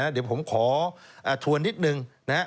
เดี๋ยวผมขอชวนนิดนึง